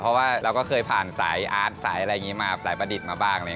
เพราะว่าเราก็เคยผ่านสายอาร์ตสายอะไรอย่างนี้มาสายประดิษฐ์มาบ้าง